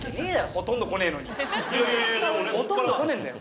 ほとんど来ねぇんだよ。